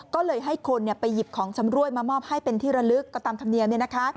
ก็เลยให้คนไปหยิบของชำรวยมามอบให้เป็นที่ระลึกก็ตามธรรมเนียมเนี่ยนะคะ